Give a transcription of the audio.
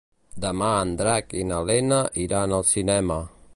Demà en Drac i na Lena iran al cinema.